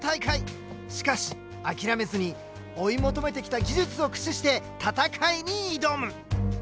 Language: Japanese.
しかし諦めずに追い求めてきた技術を駆使して戦いに挑む。